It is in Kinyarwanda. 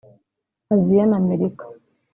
Aziya na Amerika